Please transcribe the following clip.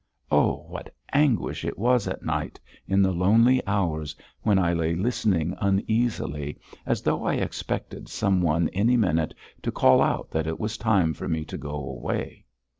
Oh! what anguish it was at night, in the lonely hours, when I lay listening uneasily, as though I expected some one any minute to call out that it was time for me to go away.